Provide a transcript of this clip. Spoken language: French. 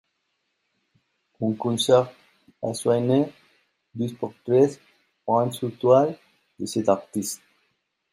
On conserve à Soignies deux portraits, peints sur toile, de cet artiste.